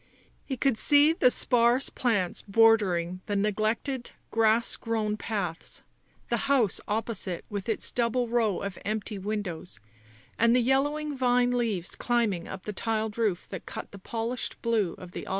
He could see the sparse plants bordering the neglected grass grown paths, the house opposite with its double row of empty windows and the yellowing vine leaves climbing up the tiled roof that cut the polished blue of the August sky.